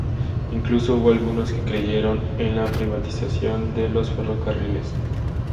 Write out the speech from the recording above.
Incluso hubo algunos que creyeron en la privatización de los ferrocarriles.